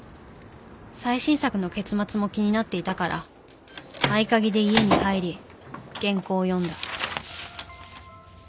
最新作の結末も気になっていたから合鍵で家に入り原稿を読んだ。